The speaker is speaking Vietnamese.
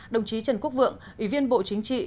đồng chí trần quốc vượng ủy viên bộ chính trị